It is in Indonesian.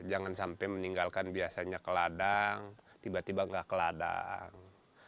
jangan sampai meninggalkan biasanya ke ladang tiba tiba nggak ke ladang